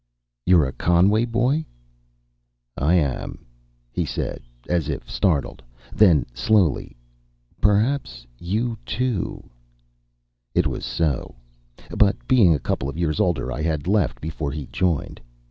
"You're a Conway boy?" "I am," he said, as if startled. Then, slowly... "Perhaps you too " It was so; but being a couple of years older I had left before he joined.